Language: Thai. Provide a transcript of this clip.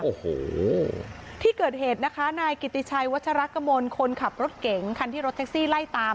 โอ้โหที่เกิดเหตุนะคะนายกิติชัยวัชรกมลคนขับรถเก๋งคันที่รถแท็กซี่ไล่ตาม